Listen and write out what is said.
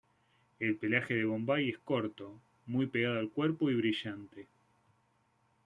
El pelaje del Bombay es corto, muy pegado al cuerpo y brillante.